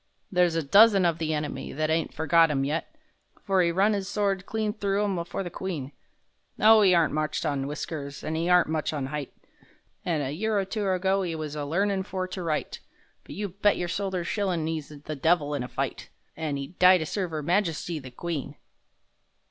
There's a dozen of the enemy That ain't forgot 'im yet— For 'e run 'is sword clean through 'em for the Queen! Oh, 'e aren't much on whiskers an' 'e aren't much on 'eight, An' a year or two ago 'e was a learnin' for to write, But you bet your soldier's shillin' 'e's the devil in a fight— An' 'ed die to serve 'Er Majesty the Queen!